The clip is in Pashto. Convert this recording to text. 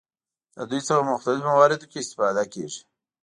له دوی څخه په مختلفو مواردو کې استفاده کیږي.